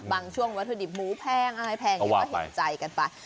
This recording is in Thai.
บางช่วงวัตถุดิบหมูแพงอะไรแพงอย่างนี้ก็เห็นใจกันไป